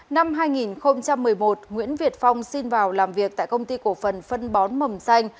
năm hai nghìn một mươi một nguyễn việt phong xin vào làm việc tại công ty cổ phần phân bón mầm xanh